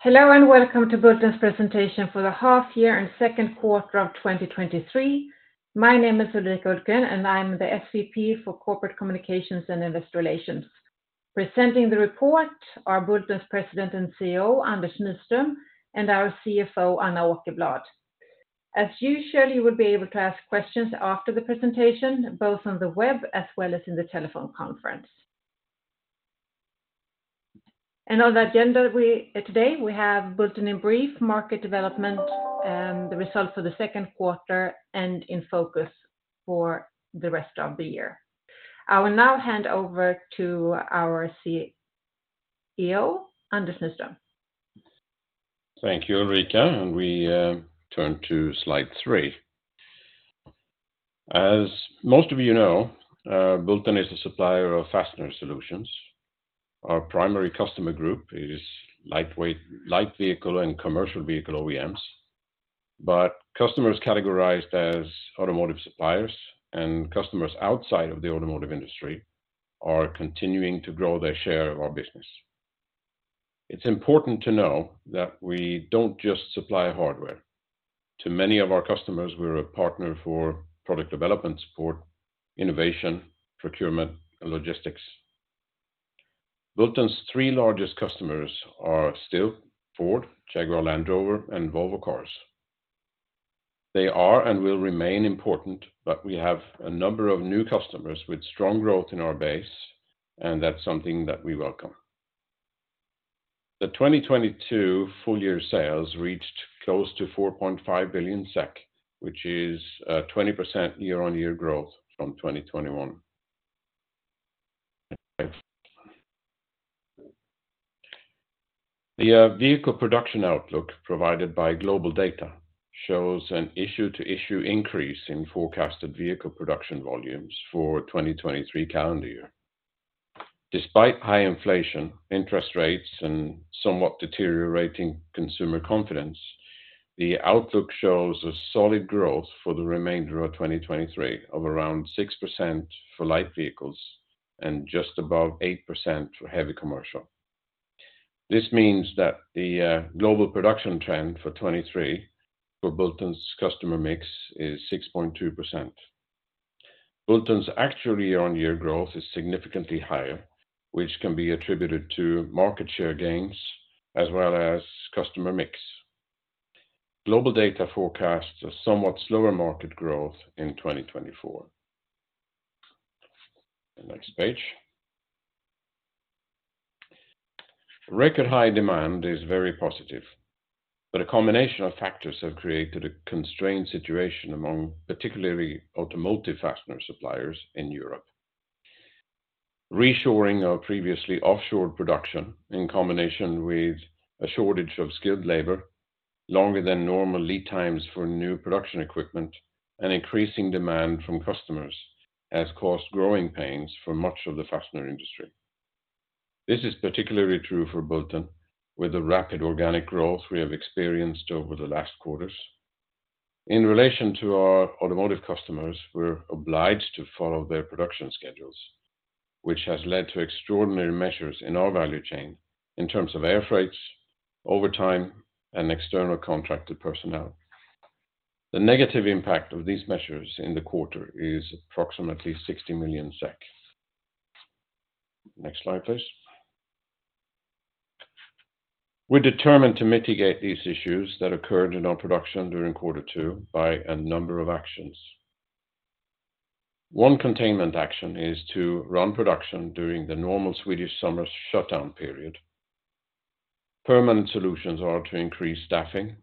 Hello, welcome to Bulten's Presentation for the Half Year and Second Quarter of 2023. My name is Ulrika Hultgren, and I'm the SVP for Corporate Communications and Investor Relations. Presenting the report, are Bulten's President and CEO, Anders Nyström, and our CFO, Anna Åkerblad. As usually, you will be able to ask questions after the presentation, both on the web as well as in the telephone conference. On the agenda, today, we have Bulten in brief, market development, the results for the second quarter, and in focus for the rest of the year. I will now hand over to our CEO, Anders Nyström. Thank you, Ulrika. We turn to slide three. As most of you know, Bulten is a supplier of fastener solutions. Our primary customer group is lightweight, light vehicle, and commercial vehicle OEMs. Customers categorized as automotive suppliers and customers outside of the automotive industry are continuing to grow their share of our business. It's important to know that we don't just supply hardware. To many of our customers, we're a partner for product development support, innovation, procurement, and logistics. Bulten's 3 largest customers are still Ford, Jaguar Land Rover, and Volvo Cars. They are and will remain important. We have a number of new customers with strong growth in our base, and that's something that we welcome. The 2022 full year sales reached close to 4.5 billion SEK, which is 20% year-on-year growth from 2021. Next. The vehicle production outlook provided by GlobalData shows an issue to issue increase in forecasted vehicle production volumes for 2023 calendar year. Despite high inflation, interest rates, and somewhat deteriorating consumer confidence, the outlook shows a solid growth for the remainder of 2023, of around 6% for light vehicles and just above 8% for heavy commercial. This means that the global production trend for 2023, for Bulten's customer mix, is 6.2%. Bulten's actual year-on-year growth is significantly higher, which can be attributed to market share gains as well as customer mix. GlobalData forecasts a somewhat slower market growth in 2024. The next page. Record high demand is very positive, a combination of factors have created a constrained situation among, particularly, automotive fastener suppliers in Europe. Reshoring our previously offshored production, in combination with a shortage of skilled labor, longer than normal lead times for new production equipment, and increasing demand from customers, has caused growing pains for much of the fastener industry. This is particularly true for Bulten, with the rapid organic growth we have experienced over the last quarters. In relation to our automotive customers, we're obliged to follow their production schedules, which has led to extraordinary measures in our value chain in terms of air freights, overtime, and external contracted personnel. The negative impact of these measures in the quarter is approximately 60 million SEK. Next slide, please. We're determined to mitigate these issues that occurred in our production during Q2 by a number of actions. One containment action is to run production during the normal Swedish summer shutdown period. Permanent solutions are to increase staffing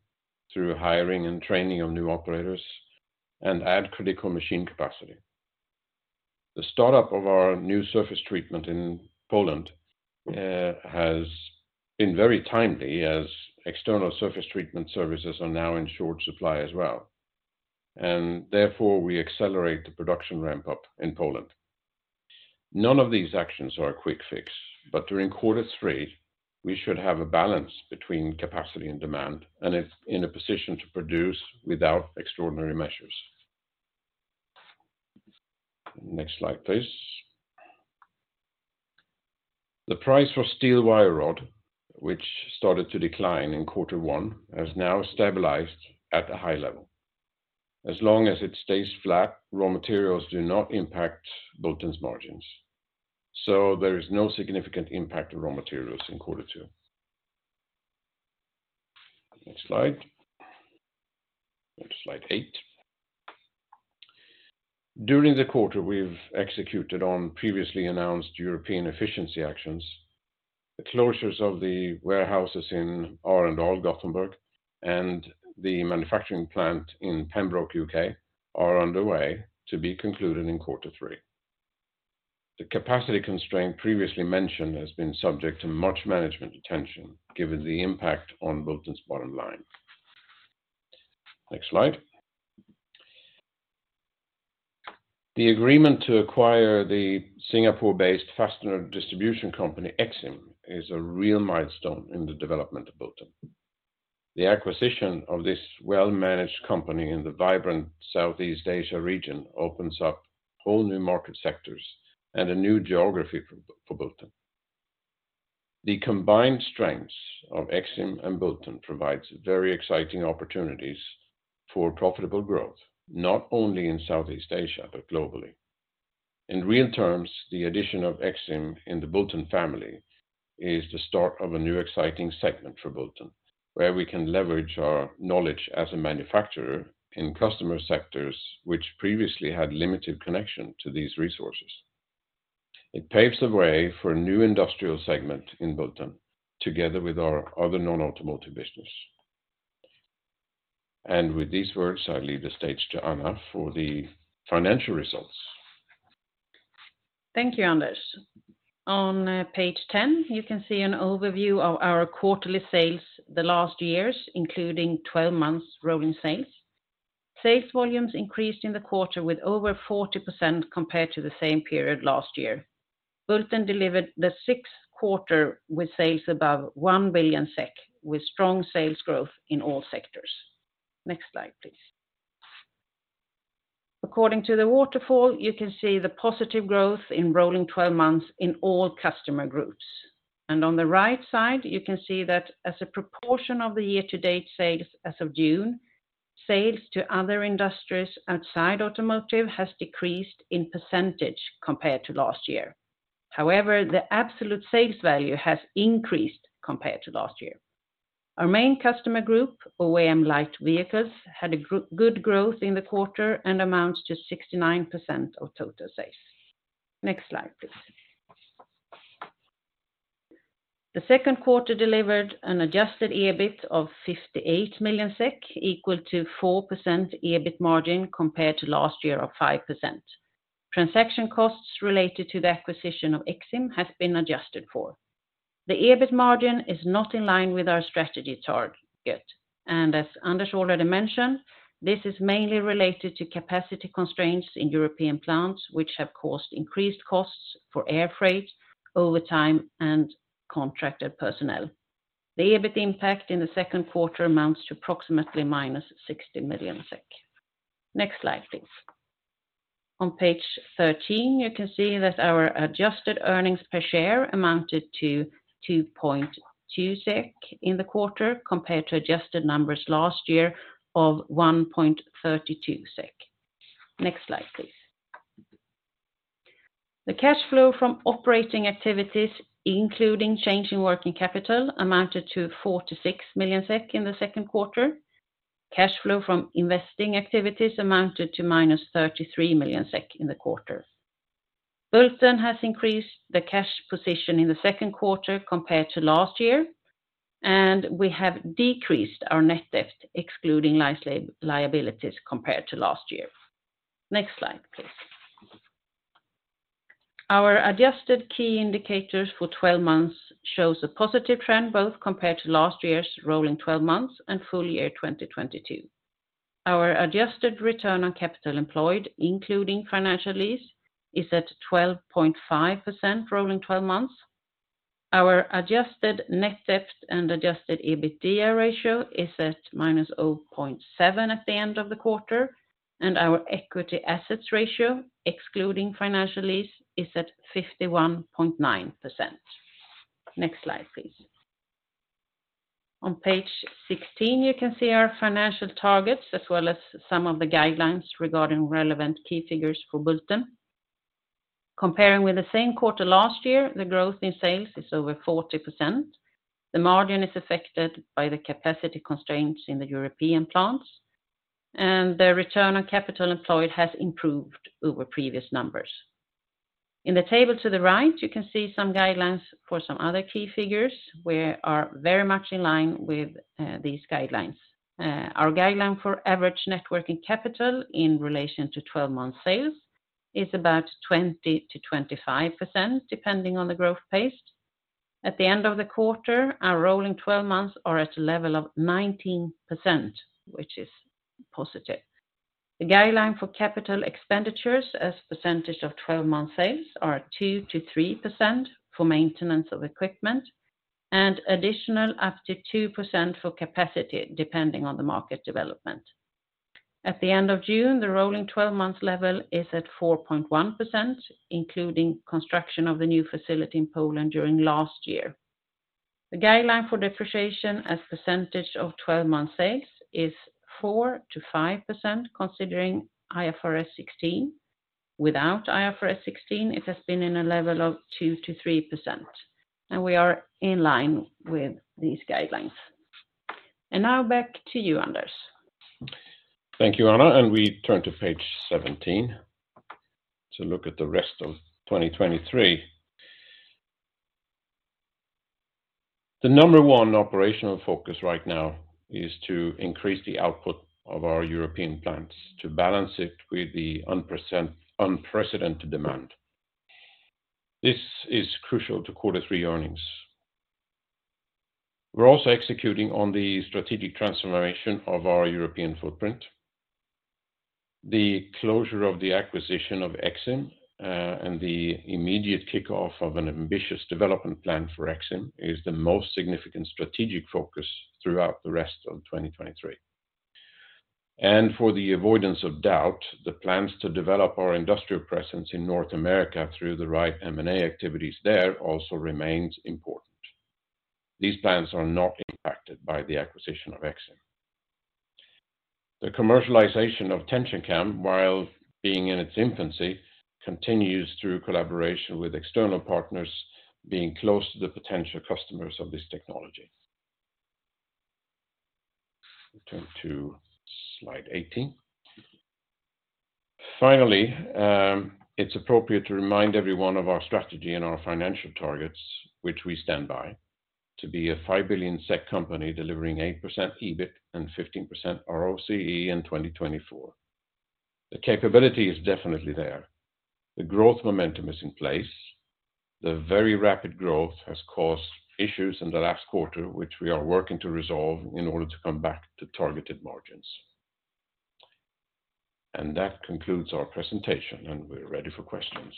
through hiring and training of new operators and add critical machine capacity. The startup of our new surface treatment in Poland has been very timely, as external surface treatment services are now in short supply as well. Therefore, we accelerate the production ramp-up in Poland. None of these actions are a quick fix. During quarter three, we should have a balance between capacity and demand, and it's in a position to produce without extraordinary measures. Next slide, please. The price for steel wire rod, which started to decline in quarter one, has now stabilized at a high level. As long as it stays flat, raw materials do not impact Bulten's margins. There is no significant impact on raw materials in quarter two. Next slide. Slide eight. During the quarter, we've executed on previously announced European efficiency actions. The closures of the warehouses in Arendal, Gothenburg, and the manufacturing plant in Pembroke, UK, are underway to be concluded in quarter three. The capacity constraint previously mentioned has been subject to much management attention, given the impact on Bulten's bottom line. Next slide. The agreement to acquire the Singapore-based fastener distribution company, Exim, is a real milestone in the development of Bulten. The acquisition of this well-managed company in the vibrant Southeast Asia region opens up whole new market sectors and a new geography for Bulten. The combined strengths of Exim and Bulten provides very exciting opportunities for profitable growth, not only in Southeast Asia, but globally. In real terms, the addition of Exim in the Bulten family is the start of a new exciting segment for Bulten, where we can leverage our knowledge as a manufacturer in customer sectors, which previously had limited connection to these resources. It paves the way for a new industrial segment in Bulten, together with our other non-automotive business. With these words, I leave the stage to Anna for the financial results. Thank you, Anders. On page 10, you can see an overview of our quarterly sales the last years, including 12 months rolling sales. Sales volumes increased in the quarter with over 40% compared to the same period last year. Bulten delivered the sixth quarter with sales above 1 billion SEK, with strong sales growth in all sectors. Next slide, please. According to the waterfall, you can see the positive growth in rolling 12 months in all customer groups. On the right side, you can see that as a proportion of the year-to-date sales as of June, sales to other industries outside automotive has decreased in percentage compared to last year. However, the absolute sales value has increased compared to last year. Our main customer group, OEM light vehicles, had good growth in the quarter and amounts to 69% of total sales. Next slide, please. The second quarter delivered an Adjusted EBIT of 58 million SEK, equal to 4% EBIT margin compared to last year of 5%. Transaction costs related to the acquisition of Exim has been adjusted for. The EBIT margin is not in line with our strategy target, as Anders already mentioned, this is mainly related to capacity constraints in European plants, which have caused increased costs for air freight, overtime, and contracted personnel. The EBIT impact in the second quarter amounts to approximately -60 million SEK. Next slide, please. On page 13, you can see that our adjusted earnings per share amounted to 2.2 SEK in the quarter, compared to adjusted numbers last year of 1.32 SEK. Next slide, please. The cash flow from operating activities, including change in working capital, amounted to 46 million SEK in the second quarter. Cash flow from investing activities amounted to -33 million SEK in the quarter. Bulten has increased the cash position in the second quarter compared to last year, and we have decreased our net debt, excluding lease liabilities, compared to last year. Next slide, please. Our adjusted key indicators for 12 months shows a positive trend, both compared to last year's rolling 12 months and full year 2022. Our adjusted return on capital employed, including financial lease, is at 12.5%, rolling 12 months. Our Adjusted net debt and Adjusted EBITDA ratio is at -0.7 at the end of the quarter, and our equity assets ratio, excluding financial lease, is at 51.9%. Next slide, please. On page 16, you can see our financial targets, as well as some of the guidelines regarding relevant key figures for Bulten. Comparing with the same quarter last year, the growth in sales is over 40%. The margin is affected by the capacity constraints in the European plants, and the return on capital employed has improved over previous numbers. In the table to the right, you can see some guidelines for some other key figures. We are very much in line with these guidelines. Our guideline for average net working capital in relation to 12 months sales is about 20%-25%, depending on the growth pace. At the end of the quarter, our rolling 12 months are at a level of 19%, which is positive. The guideline for capital expenditures as percentage of 12 months sales are 2%-3% for maintenance of equipment, and additional up to 2% for capacity, depending on the market development. At the end of June, the rolling 12 months level is at 4.1%, including construction of the new facility in Poland during last year. The guideline for depreciation as percentage of 12 months sales is 4%-5%, considering IFRS 16. Without IFRS 16, it has been in a level of 2%-3%. We are in line with these guidelines. Now back to you, Anders. Thank you, Anna. We turn to page 17 to look at the rest of 2023. The number one operational focus right now is to increase the output of our European plants to balance it with the unprecedented demand. This is crucial to quarter three earnings. We're also executing on the strategic transformation of our European footprint. The closure of the acquisition of Exim and the immediate kickoff of an ambitious development plan for Exim is the most significant strategic focus throughout the rest of 2023. For the avoidance of doubt, the plans to develop our industrial presence in North America through the right M&A activities there also remains important. These plans are not impacted by the acquisition of Exim. The commercialization of TensionCam, while being in its infancy, continues through collaboration with external partners, being close to the potential customers of this technology. Turn to slide 18. Finally, it's appropriate to remind everyone of our strategy and our financial targets, which we stand by, to be a 5 billion SEK company delivering 8% EBIT and 15% ROCE in 2024. The capability is definitely there. The growth momentum is in place. The very rapid growth has caused issues in the last quarter, which we are working to resolve in order to come back to targeted margins. That concludes our presentation, and we're ready for questions.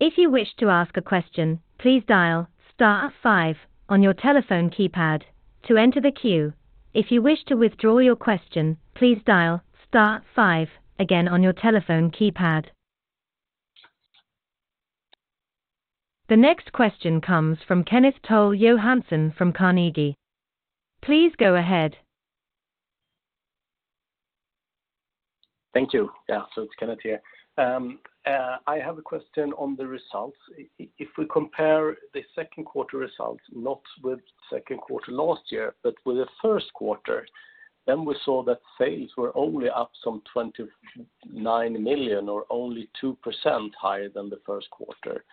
If you wish to ask a question, please dial star five on your telephone keypad to enter the queue. If you wish to withdraw your question, please dial star five again on your telephone keypad. The next question comes from Kenneth Toll Johansson from Carnegie. Please go ahead. Thank you. It's Kenneth here. I have a question on the results. If we compare the second quarter results, not with second quarter last year, but with the first quarter, we saw that sales were only up some 29 million, or only 2% higher than the first quarter,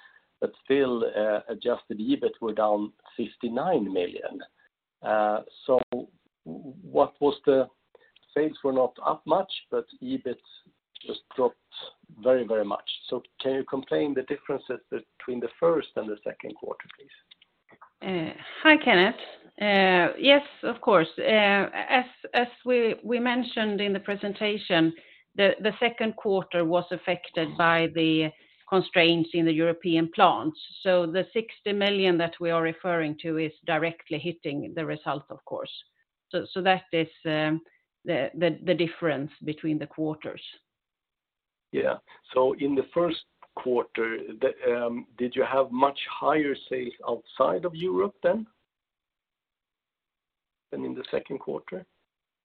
still, Adjusted, EBIT were down 59 million. Sales were not up much, EBIT just dropped very much. Can you explain the differences between the first and the second quarter, please? Hi, Kenneth. Yes, of course. As we mentioned in the presentation, the second quarter was affected by the constraints in the European plants. The 60 million that we are referring to is directly hitting the result, of course. That is the difference between the quarters. Yeah. In the first quarter, the, did you have much higher sales outside of Europe then, than in the second quarter?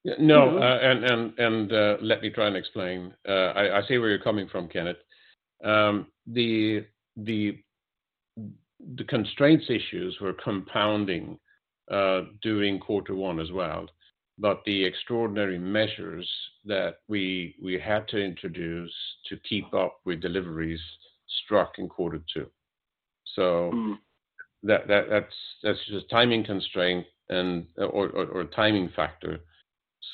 Let me try and explain. I see where you're coming from, Kenneth. The constraints issues were compounding during quarter one as well, but the extraordinary measures that we had to introduce to keep up with deliveries struck in quarter two. Mm. That's just timing constraint or timing factor.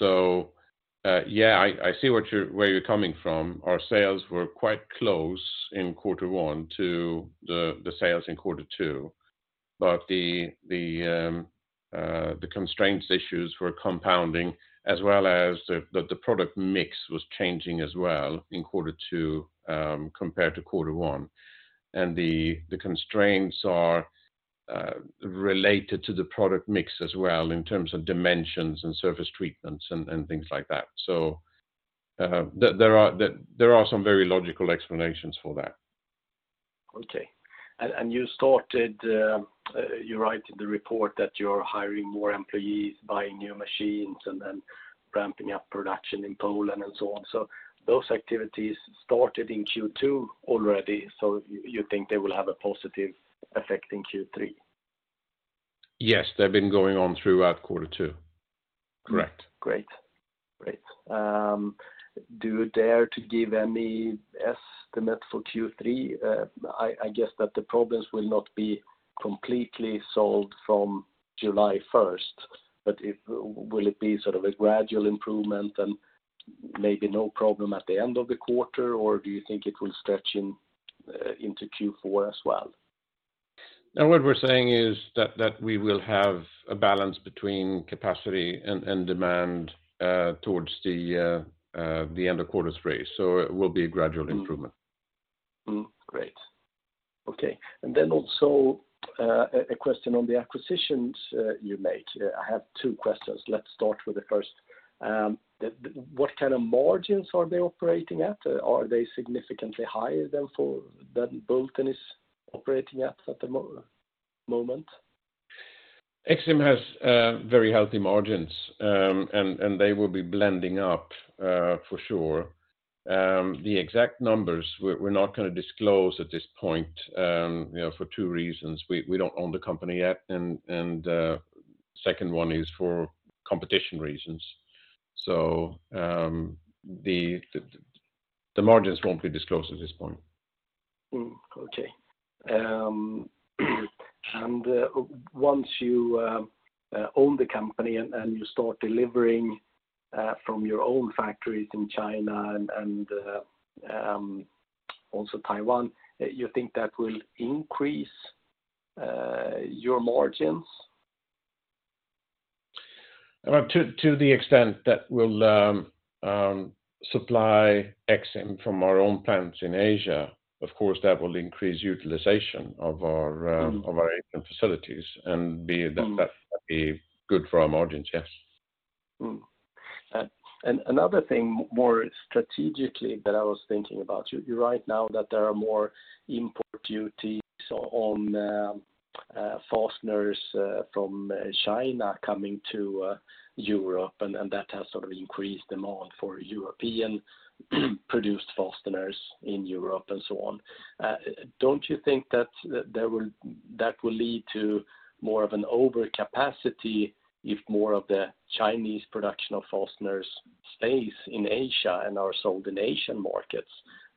Yeah, I see where you're coming from. Our sales were quite close in quarter one to the sales in quarter two, but the constraints issues were compounding as well as the product mix was changing as well in quarter two, compared to quarter one. The constraints are related to the product mix as well in terms of dimensions and surface treatments and things like that. There are some very logical explanations for that. Okay. You started, you write in the report that you're hiring more employees, buying new machines, and then ramping up production in Poland and so on. Those activities started in Q2 already. You think they will have a positive effect in Q3? Yes, they've been going on throughout quarter two. Correct. Great. Great. Do you dare to give any estimate for Q3? I guess that the problems will not be completely solved from July first, will it be sort of a gradual improvement and maybe no problem at the end of the quarter, or do you think it will stretch into Q4 as well? No, what we're saying is that we will have a balance between capacity and demand towards the end of quarter three. It will be a gradual improvement. Great. Okay. Then also a question on the acquisitions you made. I have two questions. Let's start with the first. What kind of margins are they operating at? Are they significantly higher than for, than Bulten is operating at at the moment? Exim has very healthy margins, and they will be blending up for sure. The exact numbers we're not going to disclose at this point, you know, for two reasons: We don't own the company yet, and second one is for competition reasons. The margins won't be disclosed at this point. Okay. Once you own the company and you start delivering from your own factories in China and also Taiwan, you think that will increase your margins? To the extent that we'll supply Exim from our own plants in Asia, of course, that will increase utilization of our. Mm-hmm -of our Asian facilities and Mm. That would be good for our margins, yes. Another thing more strategically that I was thinking about, you're right now that there are more import duties on fasteners from China coming to Europe, and that has sort of increased demand for European produced fasteners in Europe and so on. Don't you think that will lead to more of an overcapacity if more of the Chinese production of fasteners stays in Asia and are sold in Asian markets,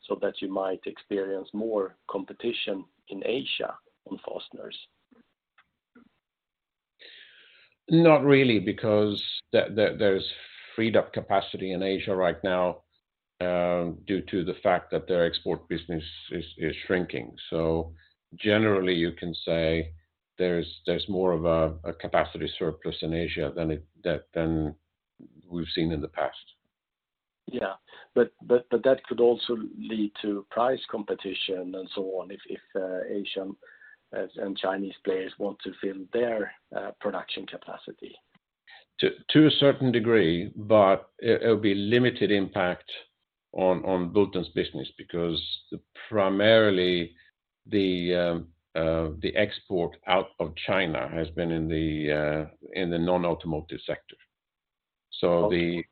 so that you might experience more competition in Asia on fasteners? Not really, because there's freed up capacity in Asia right now, due to the fact that their export business is shrinking. Generally, you can say there's more of a capacity surplus in Asia than we've seen in the past. Yeah, but that could also lead to price competition and so on, if, Asian, and Chinese players want to fill their production capacity. To a certain degree, but it'll be limited impact on Bulten's business, because primarily the export out of China has been in the non-automotive sector. Okay.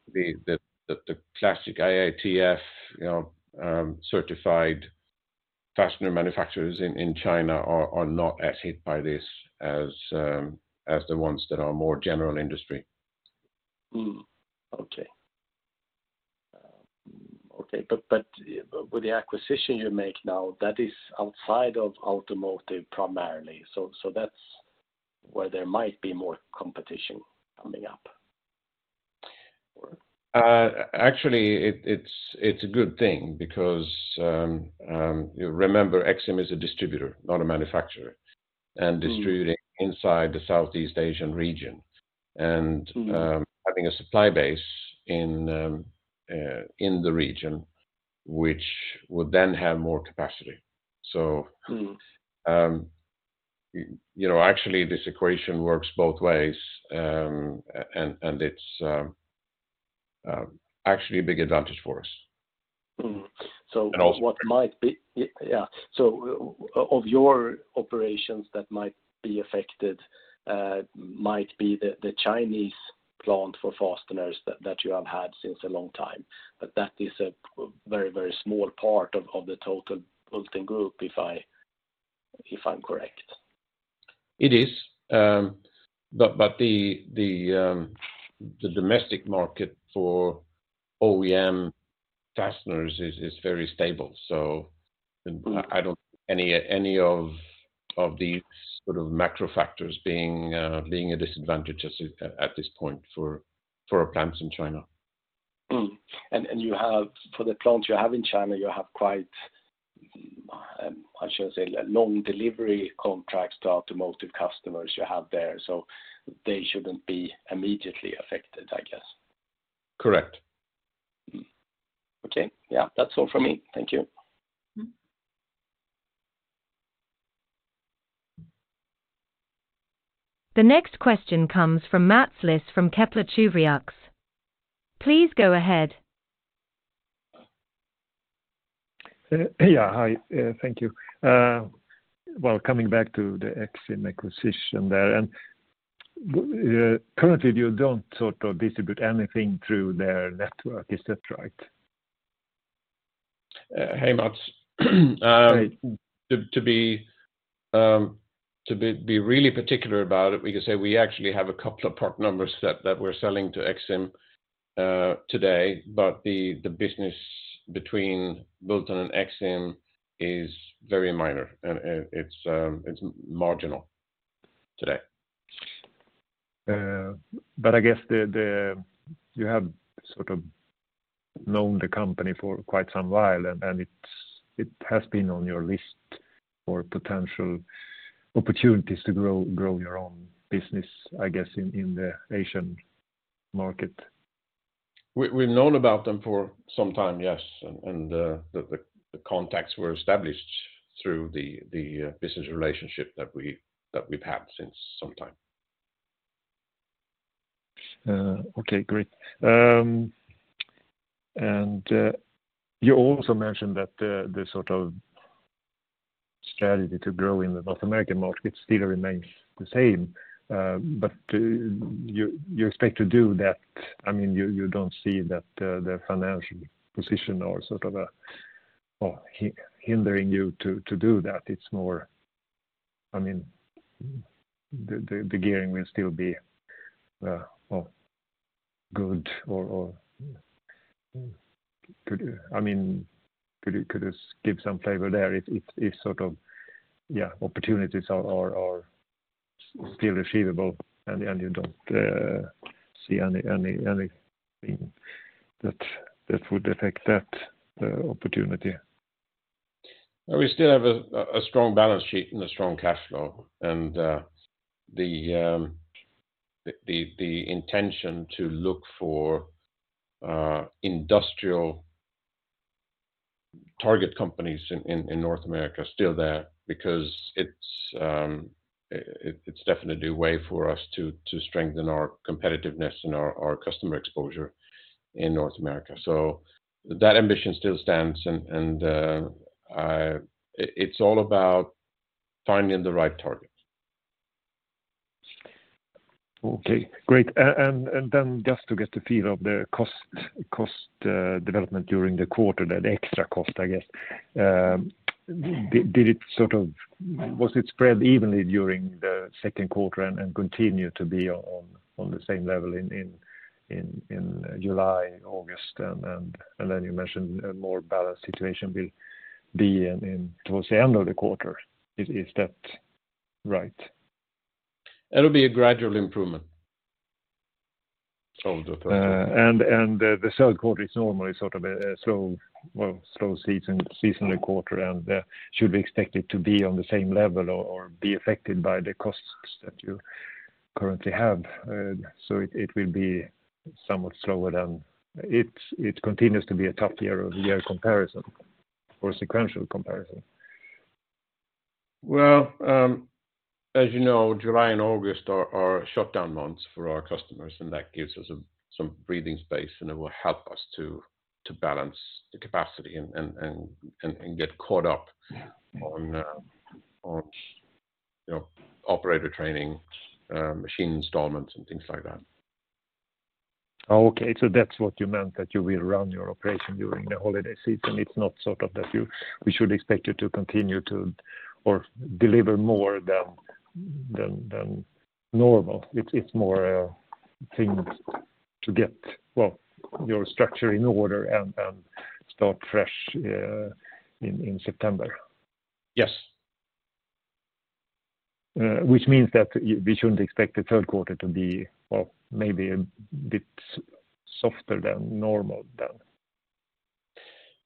The classic IATF, you know, certified fastener manufacturers in China are not as hit by this as the ones that are more general industry. Okay. Okay, with the acquisition you make now, that is outside of automotive, primarily. That's where there might be more competition coming up? Actually, it's a good thing because, you remember, Exim is a distributor, not a manufacturer... Mm... and distributing inside the Southeast Asian region. Mm-hmm having a supply base in the region, which would then have more capacity. Mm... you know, actually, this equation works both ways, and it's actually a big advantage for us. Mm. And also- Yeah, of your operations that might be affected, might be the Chinese plant for fasteners that you have had since a long time, but that is a very small part of the total Bulten Group, if I'm correct. It is, but the domestic market for OEM fasteners is very stable. Mm I don't any of these sort of macro factors being a disadvantage at this point for our plants in China. You have, for the plants you have in China, you have quite, I should say, a long delivery contracts to automotive customers you have there, so they shouldn't be immediately affected, I guess. Correct. Okay. Yeah, that's all for me. Thank you. The next question comes from Mats Liss from Kepler Cheuvreux. Please go ahead. Yeah, hi. Thank you. Well, coming back to the Exim acquisition there, currently, you don't sort of distribute anything through their network. Is that right? hey, Mats. Hey. To be really particular about it, we could say we actually have a couple of part numbers that we're selling to Exim today, but the business between Bulten and Exim is very minor, and it's marginal today. I guess the you have sort of known the company for quite some while, and it's, it has been on your list for potential opportunities to grow your own business, I guess, in the Asian market. We've known about them for some time, yes, and the contacts were established through the business relationship that we've had since some time. Okay, great. You also mentioned that the sort of strategy to grow in the North American market still remains the same, you expect to do that? I mean, you don't see that, the financial position or sort of a, or hindering you to do that, it's more... I mean, the gearing will still be, oh, good or good. I mean, could you give some flavor there? It's sort of, yeah, opportunities or... still achievable, and you don't see any anything that would affect that opportunity? We still have a strong balance sheet and a strong cash flow, and the intention to look for industrial target companies in North America are still there because it's definitely a way for us to strengthen our competitiveness and our customer exposure in North America. That ambition still stands, and it's all about finding the right target. Okay, great. Then just to get the feel of the cost development during the quarter, that extra cost, I guess, Was it spread evenly during the second quarter and continue to be on the same level in July, August? Then you mentioned a more balanced situation will be in towards the end of the quarter. Is that right? It'll be a gradual improvement. The third quarter is normally sort of a slow, well, slow season, seasonally quarter, and should be expected to be on the same level or be affected by the costs that you currently have. It will be somewhat slower than. It continues to be a tough year-over-year comparison or sequential comparison. As you know, July and August are shutdown months for our customers, and that gives us some breathing space, and it will help us to balance the capacity and get caught up on, you know, operator training, machine installments, and things like that. Okay. That's what you meant, that you will run your operation during the holiday season. It's not sort of that we should expect you to continue to or deliver more than normal. It's more a thing to get, well, your structure in order and start fresh in September. Yes. Which means that we shouldn't expect the third quarter to be, well, maybe a bit softer than normal then.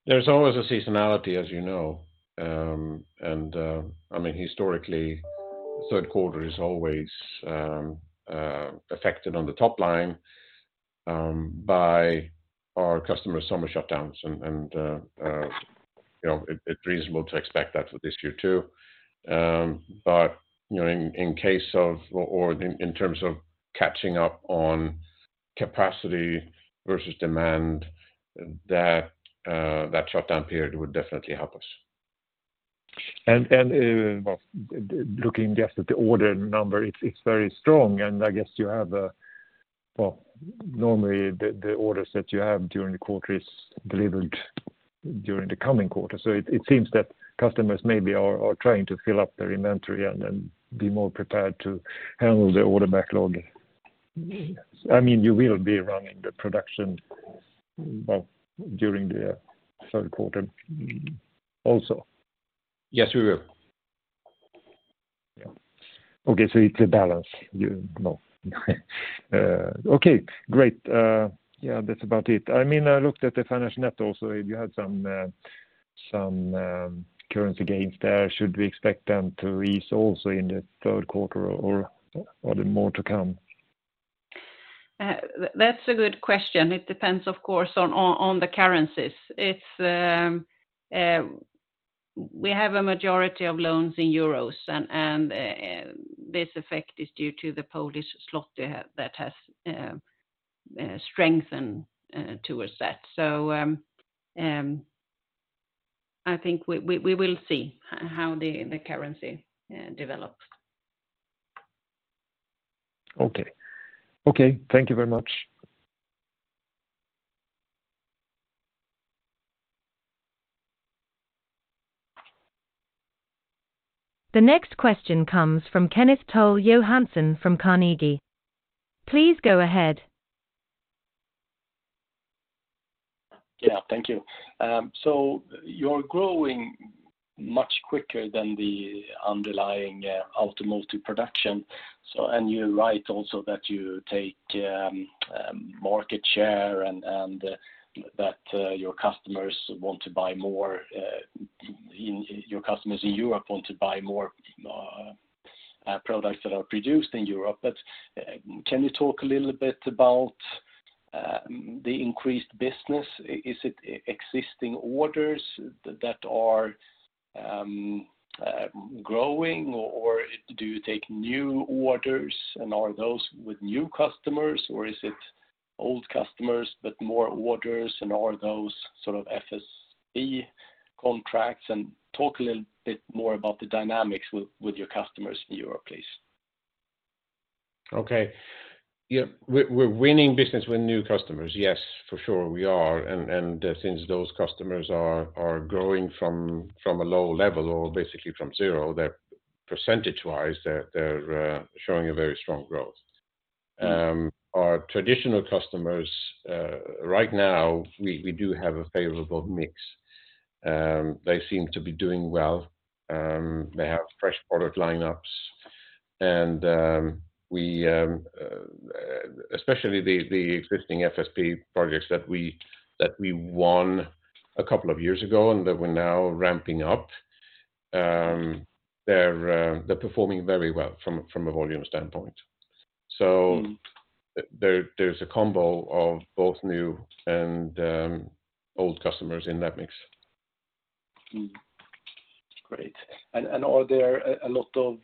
There's always a seasonality, as you know, I mean, historically, third quarter is always affected on the top line by our customer summer shutdowns, and, you know, it's reasonable to expect that for this year, too. You know, in terms of catching up on capacity versus demand, that shutdown period would definitely help us. Well, looking just at the order number, it's very strong, and I guess you have a. Well, normally, the orders that you have during the quarter is delivered during the coming quarter. It seems that customers maybe are trying to fill up their inventory and then be more prepared to handle the order backlog. Yes. I mean, you will be running the production, well, during the third quarter also? Yes, we will. Yeah. Okay, it's a balance, you know? Okay, great. Yeah, that's about it. I mean, I looked at the financial net also. You had some currency gains there. Should we expect them to rise also in the third quarter, or, are there more to come? That's a good question. It depends, of course, on the currencies. It's, we have a majority of loans in euros, and this effect is due to the Polish zloty that has strengthened towards that. I think we will see how the currency develops. Okay. Okay, thank you very much. The next question comes from Kenneth Toll Johansson from Carnegie. Please go ahead. Yeah, thank you. You're growing much quicker than the underlying automotive production. You're right also that you take market share and that your customers want to buy more, your customers in Europe want to buy more products that are produced in Europe. Can you talk a little bit about the increased business? Is it existing orders that are growing, or do you take new orders, and are those with new customers, or is it old customers, but more orders, and are those sort of FSP contracts? Talk a little bit more about the dynamics with your customers in Europe, please. Okay. Yeah, we're winning business with new customers. Yes, for sure, we are, and since those customers are growing from a low level or basically from 0, they're percentage-wise, they're showing a very strong growth. Our traditional customers, right now, we do have a favorable mix. They seem to be doing well. They have fresh product lineups, and we, especially the existing FSP projects that we won a couple of years ago and that we're now ramping up, they're performing very well from a volume standpoint. Mm. There's a combo of both new and old customers in that mix. Great. Are there a lot of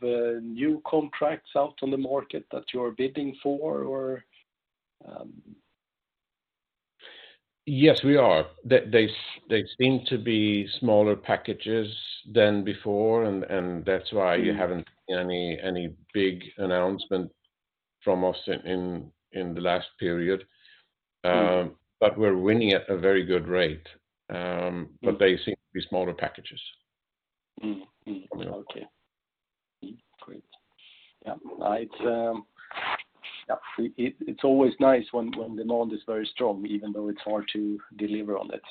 new contracts out on the market that you're bidding for, or? Yes, we are. They seem to be smaller packages than before. Mm you haven't seen any big announcement from us in the last period. Mm. We're winning at a very good rate. Mm They seem to be smaller packages. Okay. Great. Yeah, it's always nice when demand is very strong, even though it's hard to deliver on it.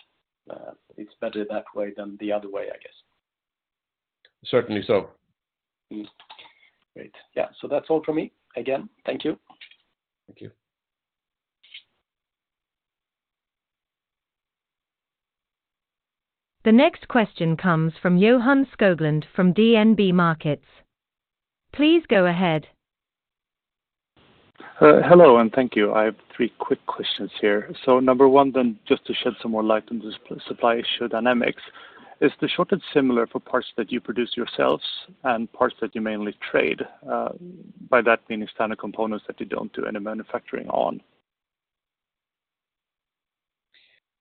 It's better that way than the other way, I guess. Certainly. Great. Yeah, that's all from me. Again, thank you. Thank you. The next question comes from Johan Skoglund from DNB Markets. Please go ahead. Hello, and thank you. I have 3 quick questions here. Number 1, then, just to shed some more light on the supply issue dynamics, is the shortage similar for parts that you produce yourselves and parts that you mainly trade? By that, meaning standard components that you don't do any manufacturing on.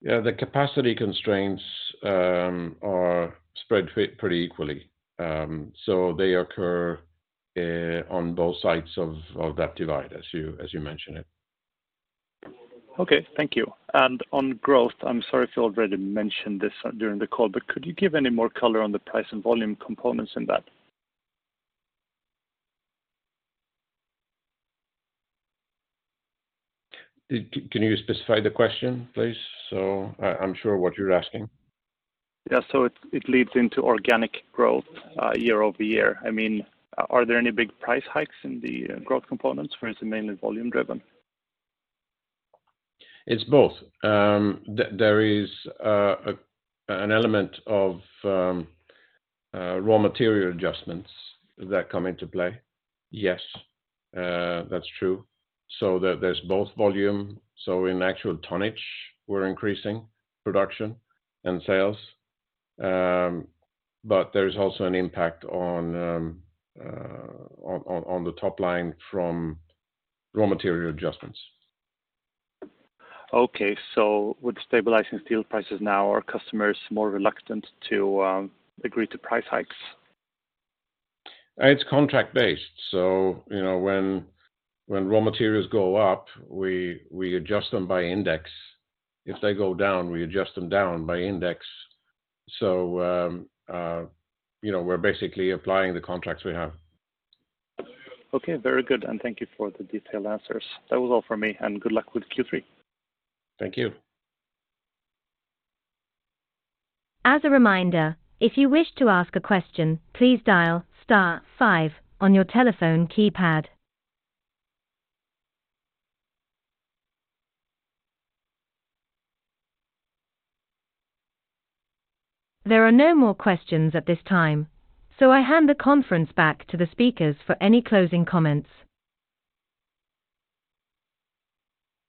The capacity constraints are spread pretty equally. They occur on both sides of that divide, as you mentioned it. Okay, thank you. On growth, I'm sorry if you already mentioned this during the call, but could you give any more color on the price and volume components in that? Can you specify the question, please, so I'm sure what you're asking? It leads into organic growth year-over-year. I mean, are there any big price hikes in the growth components, or is it mainly volume driven? It's both. There is an element of raw material adjustments that come into play. Yes, that's true. There's both volume, so in actual tonnage, we're increasing production and sales. There is also an impact on the top line from raw material adjustments. Okay. With stabilizing steel prices now, are customers more reluctant to agree to price hikes? It's contract-based, so you know, when raw materials go up, we adjust them by index. If they go down, we adjust them down by index. You know, we're basically applying the contracts we have. Okay, very good, thank you for the detailed answers. That was all for me, and good luck with Q3. Thank you. As a reminder, if you wish to ask a question, please dial star five on your telephone keypad. There are no more questions at this time, I hand the conference back to the speakers for any closing comments.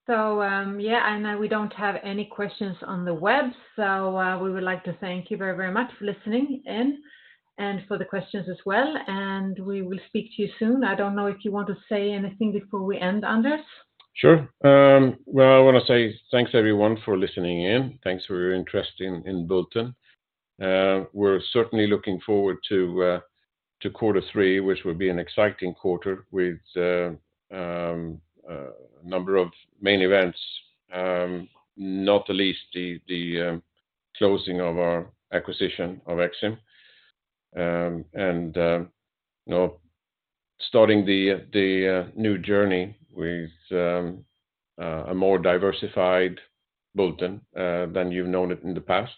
Yeah, and we don't have any questions on the web, so, we would like to thank you very, very much for listening in, and for the questions as well, and we will speak to you soon. I don't know if you want to say anything before we end, Anders? Sure. Well, I want to say thanks, everyone, for listening in. Thanks for your interest in Bulten. We're certainly looking forward to quarter three, which will be an exciting quarter with number of main events, not the least, the closing of our acquisition of Exim. And, you know, starting the new journey with a more diversified Bulten than you've known it in the past.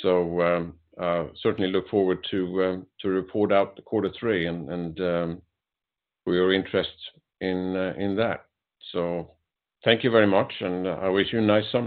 Certainly look forward to report out the quarter three, and we are interested in that. Thank you very much, and I wish you a nice summer.